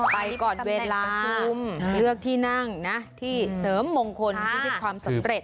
ไปก่อนเวลาชุมเลือกที่นั่งนะที่เสริมมงคลที่ให้ความสำเร็จ